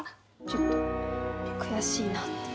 ちょっと悔しいなって。